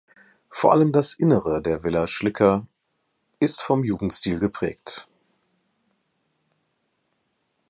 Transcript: Vor allem das Innere der Villa Schlikker ist vom Jugendstil geprägt.